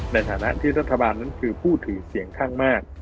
ในฐานะที่รัฐบาลนั้นคือผู้ถือเสียงข้างมาก